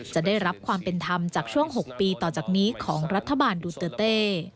จะได้รับความเป็นธรรมจากช่วง๖ปีต่อจากนี้ของรัฐบาลดูเตอร์เต้